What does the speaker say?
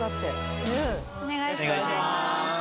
お願いします